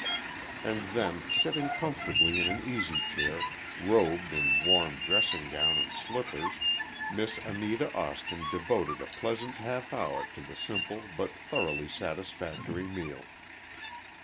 And then, sitting comfortably in an easy chair, robed in warm dressing gown and slippers, Miss Anita Austin devoted a pleasant half hour to the simple but thoroughly satisfactory meal.